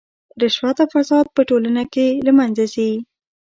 رشوت او فساد په ټولنه کې له منځه ځي.